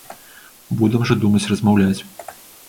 Будам жа думаць, размаўляць.